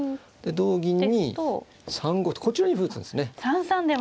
同銀に３五とこちらに歩打つんですね。